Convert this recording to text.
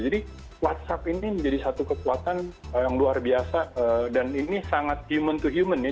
jadi whatsapp ini menjadi satu kekuatan yang luar biasa dan ini sangat human to human ya